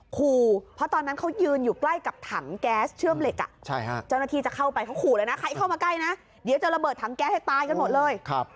ขู่เพราะตอนนั้นเขายืนอยู่ใกล้กับถังแก๊สเชื่อมเหล็กเจ้าหน้าที่จะเข้าไปเขาขู่เลยนะใครเข้ามาใกล้นะเดี๋ยวจะระเบิดถังแก๊สให้ตายกันหมดเลย